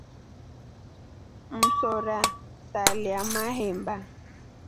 Msora salya mahemba.